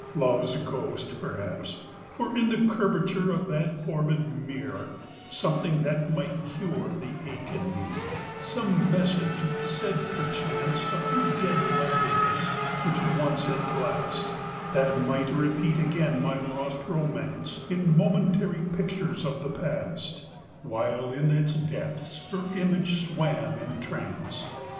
V Love's ghost, perhaps. Or, in the curvature Of that orbed mirror, something that might cure The ache in me some message, said perchance Of her dead loveliness, which once it glassed, That might repeat again my lost romance In momentary pictures of the past, While in its depths her image swam in trance.